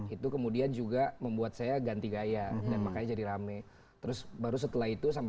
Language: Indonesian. itu kemudian juga membuat saya ganti gaya dan makanya jadi rame terus baru setelah itu sampai